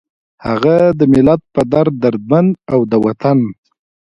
هغه د ملت پۀ دړد دردمند، او د وطن